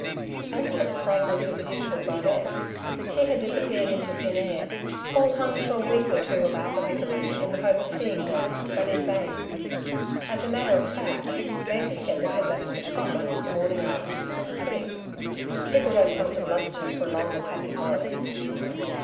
As for the fragrant and beautiful goddess, she had disappeared into thin air. Paul hung for a week or two about the vicarage, in the hope of seeing her, but in vain. As a matter of fact, Maisie Shepherd had left for Scotland the morning after the school treat; people don't come to Bludston for long and happy holidays.